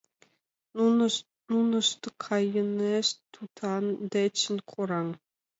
Нунышт кайынешт тӱтан дечын кораҥ.